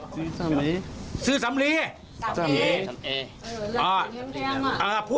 ชื่อสำลีชื่อสำลีชื่อสำลีชื่อสำลีชื่อสำเอ